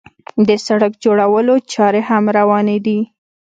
د سړک جوړولو چارې هم روانې دي.